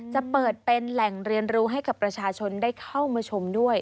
จะเปิดเป็นแหล่งเรียนรู้ให้กับประชาชนได้เข้ามาชมด้วย